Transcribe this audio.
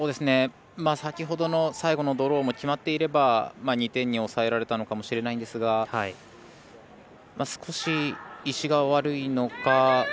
先ほどの最後のドローも決まっていれば２点に抑えられたのかもしれないんですが少し、石が悪いのか。